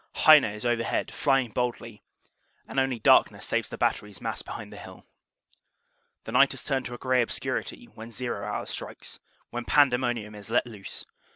"Heine" is overhead, flying boldly, and only darkness saves the batteries massed behind the hill. The night has turned to a gray obscurity when "zero" hour strikes; when pandemonium is let loose.